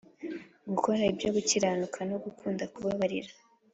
Gukora ibyo gukiranuka no gukunda kubabarira